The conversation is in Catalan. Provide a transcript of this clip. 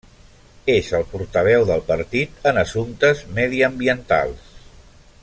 És el portaveu del partit en assumptes mediambientals.